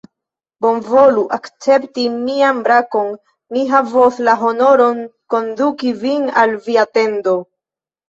Bonvolu akcepti mian brakon: mi havos la honoron konduki vin al via tendo.